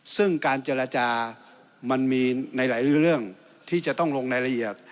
ซึ่งการเจรจามันมีในหลายเรื่องที่จะต้องลงรายละเอียด